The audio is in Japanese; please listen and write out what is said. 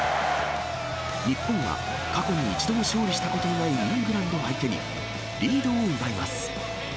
日本は過去に一度も勝利したことのないイングランドを相手に、リードを奪います。